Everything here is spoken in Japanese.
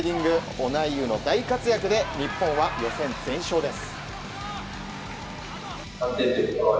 オナイウの大活躍で日本は予選全勝です。